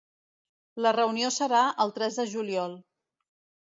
La reunió serà el tres de juliol.